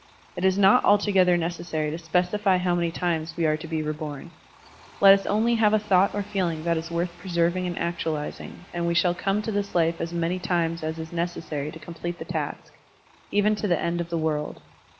It is not altogether necessary to specify how many times we are to be reborn. Let us only have a thought or feeling that is worth preserv ing and actualizing, and we shall come to this life as many times as is necessary to complete the task, even to the end of the world.